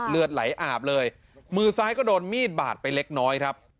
เลือดไหลอาบเลยมือซ้ายก็โดนมีดบาดไปเล็กน้อยครับ